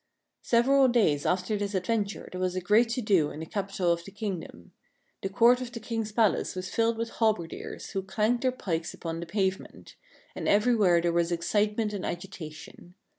Several days after this adventure there was a great to do in the capital of the kingdom. The court of the King's palace was filled with halberdiers, who clanged their pikes upon the pavement ; and everywhere there was excitement and agitation.